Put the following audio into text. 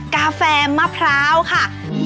กาแฟมะพร้าวค่ะ